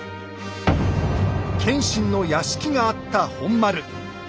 謙信の屋敷があった本丸。